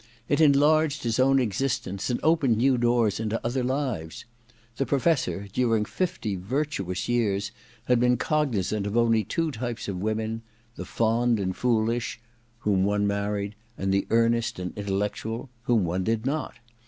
It enlarged his own existence and opened new doors into other lives. The Professor, during fifty virtuous years, had been cognizant of only two types of women : the fond and foolish, whom one married, and the earnest and intellectual, whom one did not.